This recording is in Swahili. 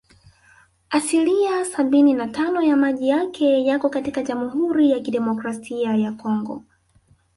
Asilia sabini na tano ya maji yake yako katika Jamhuri ya Kidemokrasia ya Kongo